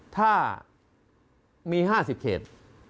ถ้ามี๕๐เขต